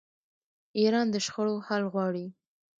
ایران د شخړو حل غواړي.